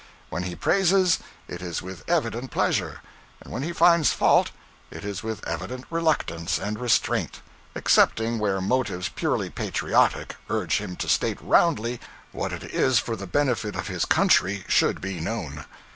When he praises, it is with evident pleasure; and when he finds fault, it is with evident reluctance and restraint, excepting where motives purely patriotic urge him to state roundly what it is for the benefit of his country should be known.